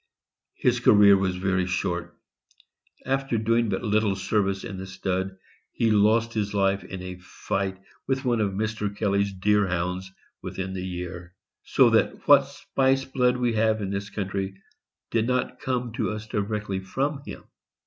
His career was very short. After doing but little service in the stud, he lost his life in a fight with one of Mr. Kelly's Deerhounds within the year, so that what Spice blood we have in this country did not come to us directly from him.